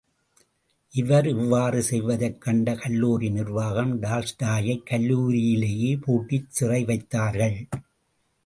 இவர், இவ்வாறு செய்வதைக் கண்ட கல்லூரி நிர்வாகம், டால்ஸ்டாயைக் கல்லூரியிலேயே பூட்டிச்சிறை வைத்தார்கள்.